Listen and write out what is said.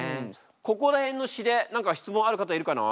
ここら辺の詞で何か質問ある方いるかな？